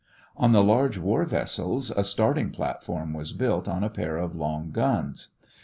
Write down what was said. On the large war vessels a starting platform was built on a pair of long guns.